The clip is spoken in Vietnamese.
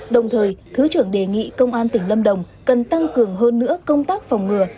đồng thời thứ trưởng đề nghị công an tỉnh lâm đồng cần tăng cường hơn nữa công tác phòng ngừa